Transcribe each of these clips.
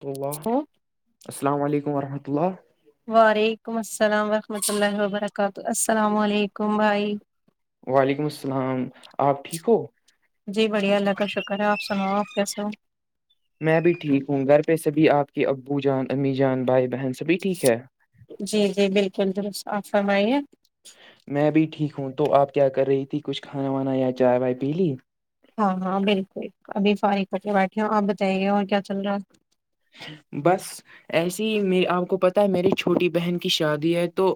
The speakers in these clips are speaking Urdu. تو السلام علیکم ورحمۃ اللہ وعلیکم السلام ورحمۃ اللہ وبرکاتہ السلام علیکم بھائی وعلیکم السلام آپ ٹھیک ہو جی بڑھیا اللہ کا شکر ہے آپ سناؤ آپ کیسے ہو میں بھی ٹھیک ہوں گھر پہ سبھی آپ کے ابو جان امی جان بھائی بہن سبھی ٹھیک ہے جی جی بالکل آپ فرمائیے میں بھی ٹھیک ہوں تو آپ کیا کر رہی تھی کچھ کھانا وانا یا چائے وائے پی لی ہاں ہاں بالکل ابھی فار پے بیٹھے ہوں آپ بتائیے اور کیا چل رہا ہے بس ایسے ہی میں آپ کو پتا ہے میری چھوٹی بہن کی شادی ہے تو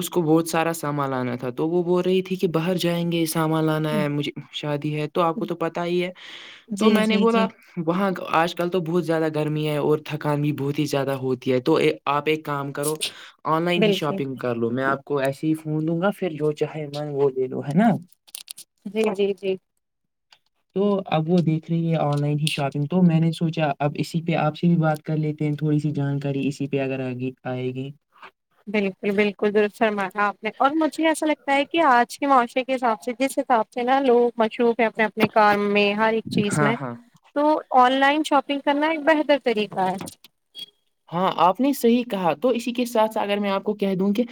اس کو بہت سارا سامان لانا تھا تو وہ بول رہی تھی کہ باہر جائیں گے یہ سامان لانا ہے مجھے شادی ہے تو آپ کو تو پتا ہی ہے تو جی میں نے جی بولا جی وہاں آج کل تو بہت زیادہ گرمی ہے اور تھکان بھی بہت ہی زیادہ ہوتی ہے تو آپ ایک کام کرو آن لائن ہی بالکل شاپنگ کر لو میں آپ کو ایسے ہی فون دوں گا پھر جو چاہے من وہ لے لو ہے نا جی جی جی تو اب وہ دیکھ رہی ہے آن لائن ہی شاپنگ تو میں نے سوچا اب اس اسی پہ آپ سے بھی بات کر لیتے ہیں تھوڑی سی جانکاری اسی پہ اگر آگی آئے گی بالکل بالکل در سرماا آپ نے اور مجھے ایسا لگتا ہے کہ آج کے م معاشرے کے حساب سے جس حساب سے نا لوگ مشروف ہے اپنے اپنے کار میں ہر ایک چیز ہاں میں ہاں تو آن لائن شاپنگ کرنا ایک بہتر طریقہ ہے ہاں آپ نے صحیح کہا تو اسی کے ساتھ ساتھ اگر میں آپ کو کہہ دوں کہ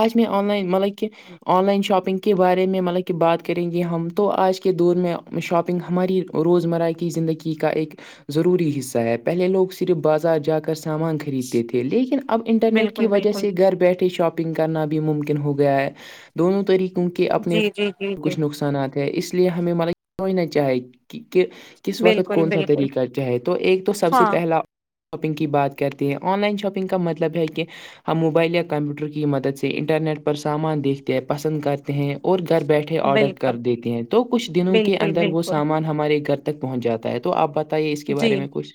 آج میں آن لائین مطلب کہ آن لائن شاپنگ کے بارے میں مطلب کہ بات کریں گے ہم تو آج کے دور میں شاپنگ ہماری روزمرہ کی زندگی کا ایک ضروری حصہ ہے پہلے لوگ صرف بازار جا کر سامان خریدتے تھے لیکن اب انٹرنیٹ کی بالکل وجہ بالکل سے گھر بیٹھے شاپنگ کرنا بھی ممکن ہو گیا ہے دونوں طریقوں کے اپنے جی جی جی جی کچھ نقصانات اس لیے ہمیں مل سوچنا چاہی کہ کس وقت بالکل کون سا بالکل طریقہ چے تو ایک تو سب سے ہاں پہلا شاپنگ کی بات کرتی ہیں آن لائن شاپنگ کا مطلب ہے کہ ہم موبائل یا کمپیوٹر کی مدد سے انٹرنیٹ پر سامان دیکھتے ہیں پسند کرتے ہیں اور گھر بیٹھے آرڈر بالکل کر دیتے ہیں تو کچھ دنوں کے بالکل اندر وہ بالکل سامان ہمارے گھر تک پہنچ جاتا ہے تو تو آپ بتائیے اس کے بارے جی میں کچھ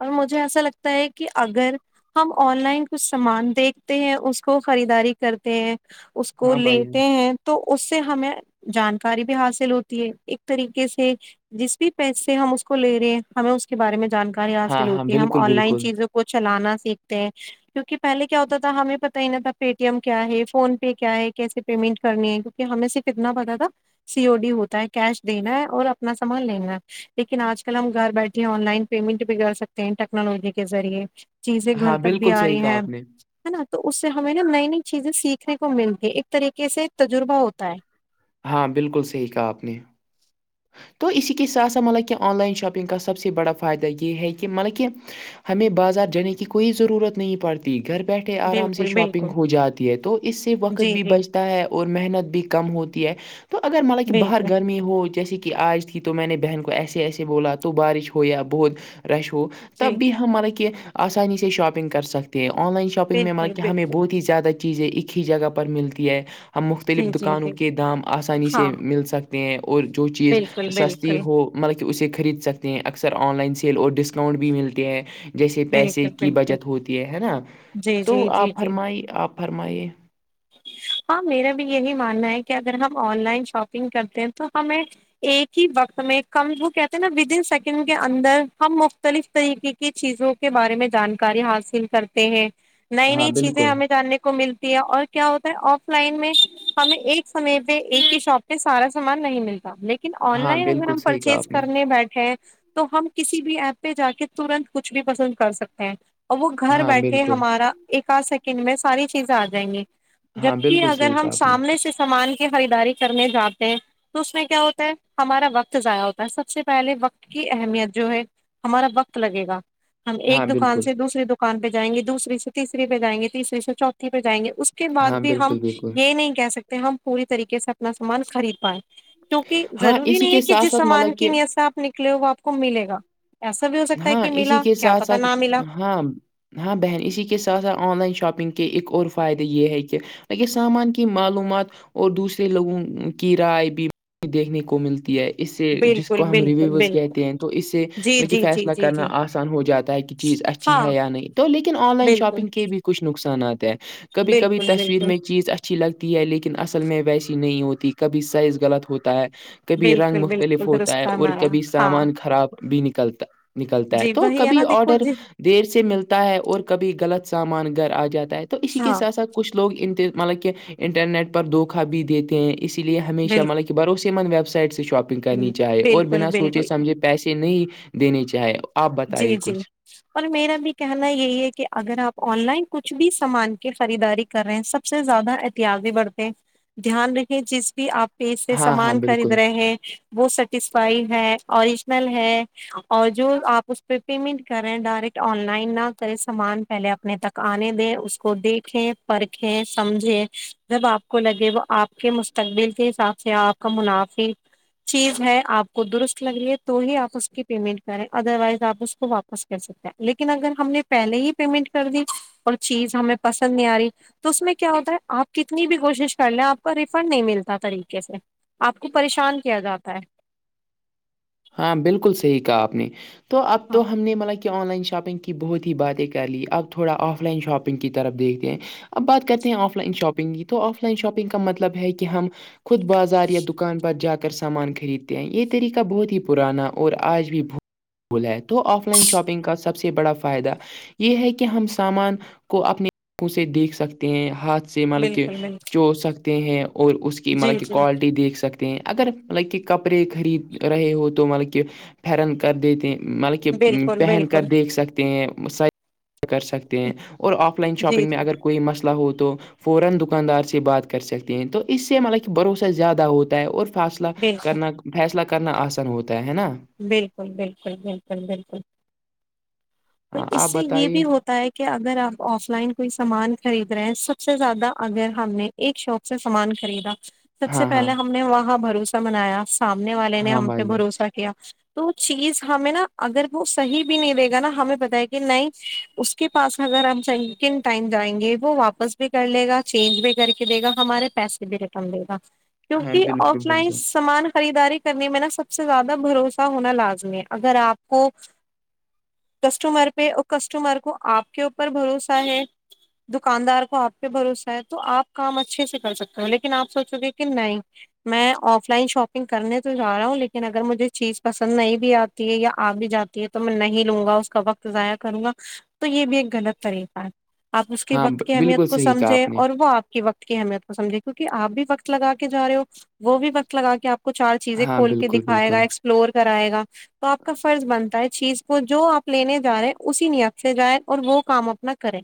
اور مجھے ایسا لگتا ہے کہ اگر ہم آن لائن کچھ سامان دیکھتے ہیں اس کو خریداری کرتے ہیں اس کو ہاں بھائی لیتے ہاں ہیں تو اس سے ہمیں جانکاری بھی حاصل ہوتی ہے ایک طریقے سے جس بھی پیسے ہم اس کو لے رہے ہیں ہمیں اس کے بارے میں جانکاری ہاں حاصل ہاں ہوتی ہے ہم بالکل آن لائن بالکل چیزوں کو کو چلانا سیکھتے ہیں کیوںہ پہلے کیا ہوتا تھا ہمیں پتا ہی نہ تھا پے ٹی ایم کیا ہے فون پے کیا ہے کیسے پیمنٹ کرنی ہے کہ ہمیں صرف اتنا پتا تھا سی او ڈی ہوتا ہے کیش دینا ہے اور اپنا سامان لینا ہے لیکن آج کل ہم گھر بیٹھے آن لائن پیمنٹ بھی کر سکتے ہیں ٹیکنالوجی کے ذریعے چیزیں ہاں گھر تک بھی بالکل آ صحیح رہی کہا ہیں آپ نے ہے نا تو اس سے ہمیں نا نئی نئی چیزیں سیکھنے کو ملتی ایک طریقے سے تجربہ ہوتا ہے ہاں بالکل صحیح کہا آپ نے تو اسی کے ساتھ سھ مطلب کہ آن لائن شاپنگ کا سب سے بڑا فائدہ یہ ہے کہ مطلب کہ ہمیں بازار جانے کی کوئی ضرورت نہیں پڑتی گھر بیٹھے آرام سے بالکل شاپنگ بالکل ہو جاتی ہے تو اس سے وقت جی بھی جی بچتا ہے اور محنت بھی کر کم ہوتی ہے تو اگر مطلب کہ باہر بالکل گرمی ہو ہو جیسے کہ آج تھی تو میں نے بہن کو ایسے ایسے بولا تو بارش ہو یا بہت رش ہو جی تب بھی ہم مطلب کہ آسانی سے شاپنگ کر سکتے ہیں آن لائن شاپنگ میں بالکل مطلب کہ ہمیں بالکل بہت ہی زیادہ چیزیں ایک ہی جگہ پر ملتی ہے ہم مختلف جی جی دکانوں جی کے دام آسانی سے ہاں مل سکتے ہیں اور جو چیز بالکل سستی بالکل ہو مطلب کہ اسے خرید سکتے ہیں اکثر آن لائن سیل اور ڈسکاؤنٹ بھی ملتے ہیں جیسے پیسے بالکل کی بالکل بچت ہوتی ہے ہے نا جی تو جی جی آپ جی فرمائی آپ فرمائیے ہاں میرا بھی یہی ماننا ہے کہ اگر ہم آن لائن شاپنگ کرتے ہیں تو ہمیں ایک ہی وقت میں کم وہ کہتے ہیں نا ودن سیکنڈ کے اندر ہم مختلف طریقے کے کی چیزوں کے بارے میں جانکاری حاصل کرتے ہیں نئی ہاں نئی چیزیں بالکل ہمیں جاننے کو ملتی ہے اور کیا ہوتا ہے آف لائن میں ہمیں ایک سمے پہ ایک ہی شاپ پہ سارا سامان نہیں ملتا لیکن لیکن آن ہاں لائن اگر بالکل ہم صحیح کہا پرچیز آپ نے کرنے بیٹھے تو ہم کسی بھی ایپ پہ جا کے ترنت کچھ بھی پسند کر سکتے ہیں اور وہ گھر ہاں بیٹھے بالکل ہمارا ایک آدھ سیکنڈ میں ساری چیزیں آ جائیں گی ہاں جبک بالکل اگر صحیح ہم کہا آپ نے سامنے سے سامان کی خریداری کرنے جاتے ہیں تو اس میں کیا ہوتا ہے ہمارا وقت ضائع ہوتا ہے سب سے پہلے وقت کی اہمیت جو ہے ہمارا وقت لگے گا ہم ہاں ایک دکان بالکل سے دوسری دکان پہ جائیں گے دوسری سے تیسری پہ جائیں گے تیسری سے چوتھی پہ جائیں گے اس اس کے بعد ہاں بھی ہم بالکل بالکل یہ نہیں کہہ سکتے ہم پوری طریقے سے اپنا سامان خرید پائائے کیونکہ ہاں ضروری اسی نہیں ہے کے کہ ساتھ جس ساتھ سامان مطلب کہ کی نیت سے آپ نکلے ہو وہ آپ کو ملے گا ایسا بھی ہو سکتا ہے ہاں کہ اسی ملا کے کیا ساتھ پتا ساتھ نہ ملا ہاں ہاں بہن اسی کے ساتھ ساتھ آن لائن شاپنگ کے ایک اور فائدے یہ ہے کہ سامان کی معلومات اور دوسرے لوگوں کی رائے بھی دیکھنے کو ملتی ہے اس سے جس بالکل کو ہم بالکل ریویوز بالکل کہتے ہیں تو اس سے جی مطلب کہ جی فیس جی جی کرنا جی آسان ہو جاتا ہے کہ چیز اچھی ہاں ہے یا نہیں تو لیکن آن لائن بالکل شاپنگ کے بھی کچھ نقصانات ہیں کبھی کبھی بالکل تصویر بالکل میں چیز اچھا اچھی لگتی ہے لیکن اصل میں ویسی نہیں ہوتی کبھی سائز غلط ہوتا ہے کبھی رنگ بالکل مختلف بالکل ہوتا درست ہے اور فرمایا کبھی ہاں سامان خراب بھی نکلتا نکلتا ہے جی تو وہی کبھی نا دیکھو آڈر جی دیر سے ملتا ہے اور کبھی غلط سامان گھر آ جاتا ہے تو اسی کے ہاں ساتھ ساتھ کچھ لوگ ان مطلب کہ انٹرنیٹ پر دھوکا بھی دیتے ہیں اسی لیے ہمیشہ بالکل مطلب کہ کہ بورسے ان ویب سائٹ سے شاپنگ کرنی چاہ اور بالکل بنا سوچے بالکل سمجھے پیسے نہیں دینے چاہے جی جی اور میرا بھی کہنا یہی ہے کہ اگر آپ آن لائن کچھ بھی سامان کی خریداری کر رہے ہیں سب سے زیادہ احتیازی بڑھتے ہیں دھیان رکھیں جیز بھی آپ پیچ سے ہاں ہاں سامان خرید بالکل رہے ہیں وہ سیٹیسفائیڈ ہے اوریجنل ہے اور جو آپ اس پہ پیمنٹ کریں ڈائریکٹ آن لائن نہ کرے سامان پہلے اپنے تک آنے دیں اس کو دیکھیں فرکھیں سمجھیں جب آپ کو لگے وہ آپ کے مستقبل کے حساب سے آپ کا منافی چیز ہے آپ کو درست لگ رہی ہے تو ہی آپ اس کی پیمنٹ کریں ادروائز آپ اس کو واپس کر سکتے ہیں لیکن اگر ہم نے پہلے ہی پیمنٹ کر دی اور چیز ہمیں پسند نہیں آ رہی تو اس میں کیا ہوتا ہے آپ کتنی بھی کوشش کر لیں آپ کا ریفنڈ نہیں ملتا طریقے سے آپ کو پریشان کیا جاتا ہے ہاں بالکل صحیح کہا آپ نے تو اب تو ہاں ہم نے مل کیا کہ آن لائن شاپنگ کی بہت ہی باتیں کر لییں اب تھوڑا آف لائن شاپنگ کی طرف دیکھتے ہیں اب بات کرتے ہیں آف لائن شاپنگ کی تو آف لائن شاپنگ کا مطلب ہے کہ ہم خود بازار یا دکان پر جا کر سامان خریدتے ہیں یہ طریقہ بہت ہی پرانا اور آج بھی بھول بھلا ہے تو آف لائن شاپنگ کا سب سے بڑا فائدہ یہ ہے کہ ہم سامان کو اپنے آنکھوں سے دیکھ سکتے ہیں ہاتھ سے مطلب کہ بالکل بالکل چو سکتے ہیں اور اس کی جی مطلب کہ جی کوالٹی دیکھ سکتے ہیں اگر مطلب کہ کپڑے خرید رہے ہو تو مطلب کہ پرن کر دیتے ہیں مطلب کہ بالکل پہن کر بالکل دیکھ سکتے کر سکتے ہیں اور آف لائن جی شاپنگ میں جی اگر کوئی مسئلہ ہو تو فورا دکاندار سے بات کر سکتے ہیں تو اس سے ملک بھروسہ زیادہ ہوتا ہے بالکل کرنا فیصلہ کرنا آسان ہوتا ہے نا بالکل بالکل بالکل بالکل پر ہاں اس آپ سے یہ بتائیے بھی ہوتا ہے کہ کہ اگر آپ آف لائن کوئی سامان خرید رہے ہیں سب سے زیادہ اگر ہم نے ایک شاپ سے سامان خریدا سب سے ہاں ہاں پہلے ہم نے وہاں بھروسہ منایا سامنے والے نے ہاں ہم پ بھائی جان بھروسہ تو چیز ہمیں نا اگر وہ صحی بھی نہیں رہے گا نا ہمیں بتایا کہ نہیں اس کے پاس اگر ہم سنکن ٹائم جائیں گے وہ واپس بھی کر لے گا چینج بھی کر کے دے گا ہمارے پیسے بھی ریٹرن دے گا ہاں کیونکہ بالکل آف لائن بالکل سامان خریداری کرنے میں نا سب سے زیادہ بھروسہ ہونا لازمی ہے اگر آپ کو کسٹمر پہ کسٹمر کو آپ کے اوپر بھروسہ ہے دکاندار کو آپ پہ بھروسہ ہے تو آپ کام اچھے سے کر سکتے ہو لیکن آپ سوچو گے کہ نہیں میں آف لائن شاپنگ کرنے تو جا رہا ہوں لیکن اگر مجھے چیز پسند نہیں بھی آتی ہے یا آپ بھی جاتی ہے تو میں نہیں لوں گا اس کا وقت ضائع کروں گا تو یہ بھی ایک غلط طریقہ ہے آپ اس کے ہاں وقت کی ب- بالکل اہمیت کو صحیح کہا سمجھیں آپ نے اور وہ آپ وقت کی اہمیت کو سمجھے کی کہ آپ بھی وقت لگا کے جا رہے ہو وہ بھی وقت لگا کے آپ کچ چار چیزیں ہاں کھول کے بالکل دکھائے گا بالکل ایکسپلور کرائے گا تو آپ کا فرض بنتا ہے چیز وہ جو آپ لینے جا رہے ہیں اسی نیات سے جائیں اور وہ کام اپنا کریں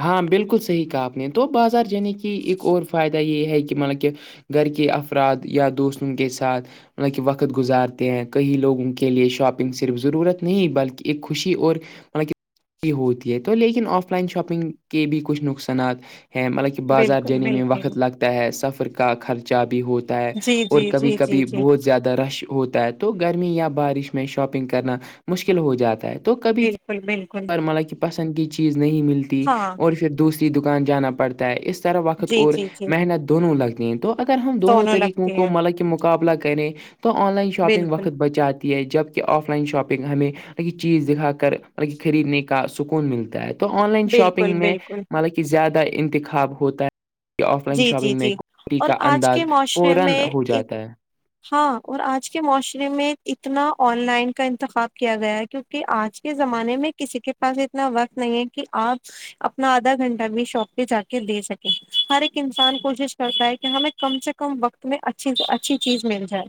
ہاں بالکل صحیح کاپنے تو بازار جانے کی ایک اور فائدہ یہ ہے کہ مطلب کہ گھر کےے افراد یا دوستن کے ساتھ مط کہ وقت گزارتے ہیں کہیں لوگوں کے لیے شاپنگ صرف ضرورت نہیں بلکہ ایک خوشی اور مطل ہوتی ہے تو لیکن آف لائن شاپنگ کے بھی کچھ نقصانات ہیں مطلب کہ بازار بالکل جانے میں بالکل وقت لگتا ہے سفر کا خرچہ بھی ہو ہے جی اور جی کبھی جی جی کبھی جی بہت زیادہ رش ہوتا ہے تو گرمی یا بارش میں شاپنگ کرنا مشکل ہو جاتا ہے تو کبھی کیا بکل بالکل مطلب کہ پسند کی چیز نہیں ملتی ہاں اور پھر دوسری دکان جانا پڑتا اس طرح وقت جی اور جی جی محنت دونوں لگتی ہیں تو اگر ہم دونوں طریقوں لگتے کو ہیں ملبک مقابلہ کریں تو آن لائن شاپنگ بالکل وقت بچاتے ہے جبک آف لائن شاپنگ ہمیں چیز دکھا کر مطلب خریدنے کا سکون ملتا ہے تو آن لائن بالکل شاپنگ میں بالکل مطلب کہ زیادہ انتخاب ہوتا ہے یہ ف لان جی جی شاپنگ میں جی ک اور کا آج انداز کے معاشرے فورا میں ہو ایک جاتا ہے ہاں اور آج کے معاشرے میں اتنا آن لائن کا انتخاب کیا گیا ہے کیونکہ آج کے زمانے میں کسی کے پاس اتنا وقت نہیں ہے کہ آپ اپنا آدھا گھنٹہ بھی شاپ پہ جا کے دے سکیں ہر ایک انسان کوشش کرتا ہے کہ ہمیں کم سے کم وقت میں اچھی اچھی چیز مل جائے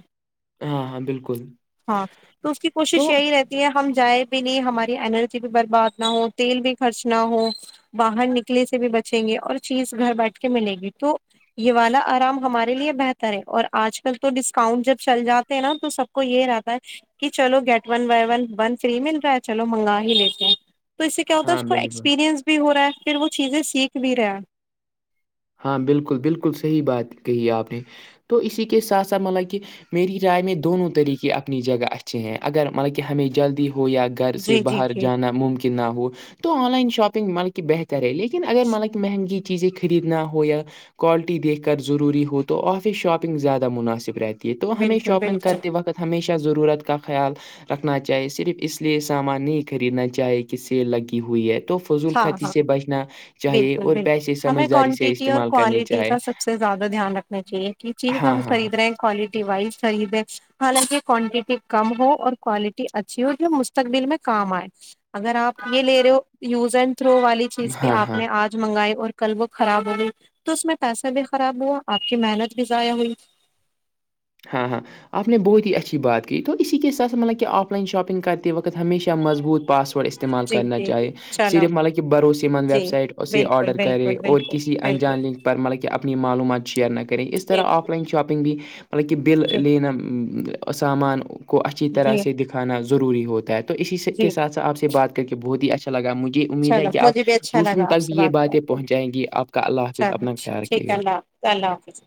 ہاں ہاں بالکل ہاں تو اس کی کوشش تو یہی رہتی ہم جائیں بھی نہیں ہماری اینرجی بھی برباد نہ ہو تیل بھی خرچ نہ ہو باہر نکلے سے بھی بچیں گے اور چیز گھر بیٹھ کے ملے گی تو یہ والا آرام ہمارے لیے بہتر ہے اور آج کل تو ڈسکاؤنٹ جب چل جاتا نا تو سب کو یہ رہتا ہے کہ چلو گیٹ ون ب ون ون فری مل رہا ہے چلو منگا ہی لیتے ہیں تو اس سے کیا ہوتا ہے ہاں اس کو بالکل ایکسپیریئنس بھی ہو رہا ہے پھر وہ چیزیں سیکھ بھی رہا ہے ہاں بالکل بالکل صحیح بات کہی آپ نے تو اسی کے ساتھ ساتھ مطلب کہ میری رائے میں دونوں طریقے اپنی جگہ اچھے ہیں اگر مطلب کہ ہمیں جلدی ہو یا گھر سے جی جی باہر جی جانا ممکن نہ ہو تو آن لائن شاپنگ مال کے کہ بہتر ہے لیکن اگر مطب مہنگی چییں خرید ہے نہ ہو یا کوالٹی دیکھ کر ضروری ہو تو آف شاپنگ زیادہ مناسب رہتی تو ہمیں بالکل شاپنگ بالکل کرتے وقت ہمیشہ ضرورت کا خیال رکھنا چاہیے صرف اس لیے سامان نہیں خریدنا چاہے کہ سیل لگی ہوئی ہے تو فضول ہاں کتی ہاں سے بچنا چاہیے بالکل اور بالکل پیسے ہمیں سمجھداری سے کوانٹٹی اور استعمال کرنے کوالٹی چاہے کا سب سے زیادہ دھیان رکھنا چاہیے کہ چیز ہاں ہم ہاں ہاں خرید رہے کوالٹی وائز س ہے حالانکہ کوانٹیٹی کم ہو اور کوالٹی اچھی ہو جو مستقبل میں کام آئے اگر آپ یہ لے رہے ہو یوز اینڈ تھرو والی چیز کی ہاں آپ ہاں نے آج منگائی اور کل وہ خراب ہو گئی تو اس میں پیسہ بھی خراب ہوا آپ کی محنت بھی ضائع ہوئی ہاں ہاں آپ نے بہت ہی اچھی بات کی تو اسی کے ساتھ مطلب کہ آف لائن شاپنگ کرتے وقت ہمیشہ مضبوط پاس تھوڑا استعمال جی کرنا جی جی چاہے چلو صرف مطلب کہ بھروسے مند ویب جی سائٹ اسے بالکل آرڈر کرے بالکل اور بالکل کسی بالکل انجان لنک پر مطلب کہ اپنی معلومات شیئر نہ کریں اس طرح بالکل آف لائن شاپنگ بھی حلکہ بل جی لینا سامان کو اچھی طرح جی سے دکھانا ضروری ہوتا ہے تو اسی کے جی سات س آ سے بات کر کے بہت ہی اچھا لگا مجھے یہ امید ہے چلو کہ آپ مجھے بھی اچھا دوسروں لگا آپ تک سے بھی یہ بات کر باتیں کے پہنچائیں گی آپ کا اللہ حافظ چلو اپنا خیال ٹھیک رکھے ہے گا اللہ اللہ حافظ